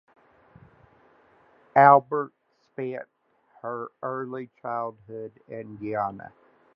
Albert spent her early childhood in Guyana.